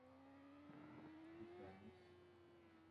Έραψα το μανδύα του πατέρα και τα ρούχα του